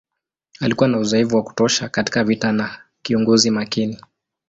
Alikuwa na uzoefu wa kutosha katika vita na kiongozi makini.